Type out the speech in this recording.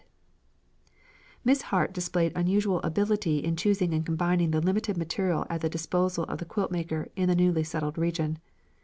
Colours: yellow, red, and green] Miss Hart displayed unusual ability in choosing and combining the limited materials at the disposal of the quilt maker in a newly settled region.